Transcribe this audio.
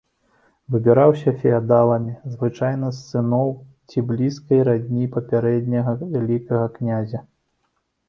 Выбіраўся феадаламі, звычайна з сыноў ці блізкай радні папярэдняга вялікага князя.